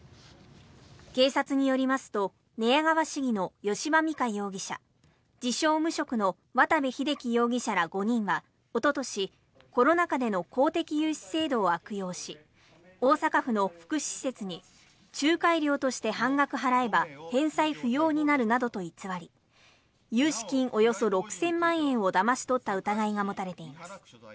警察によりますと寝屋川市議の吉羽美華容疑者自称・無職の渡部秀規容疑者ら５人はおととしコロナ禍での公的融資制度を悪用し大阪府の福祉施設に仲介料として半額払えば返済不要になるなどと偽り融資金およそ６０００万円をだまし取った疑いが持たれています。